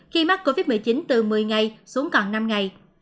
khi mắc covid một mươi chín từ một mươi ngày xuống còn năm ngày